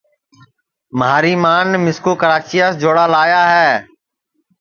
مھاری مان مِسکُو کراچیاس جوڑا لایا ہے